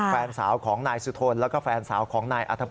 แฟนสาวของนายสุธนแล้วก็แฟนสาวของนายอัธ